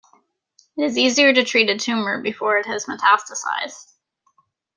It is easier to treat a tumour before it has metastasized.